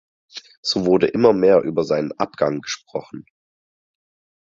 So wurde immer mehr über seinen Abgang gesprochen.